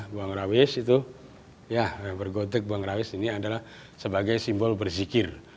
buang rawis itu bergotek ini adalah sebagai simbol bersikir